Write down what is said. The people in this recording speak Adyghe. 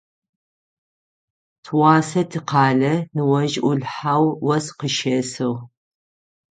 Тыгъуасэ тикъалэ ныожъ Ӏулъхьэу ос къыщесыгъ.